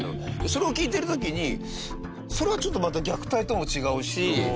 それを聞いてる時に、それはちょっと、また虐待とも違うし。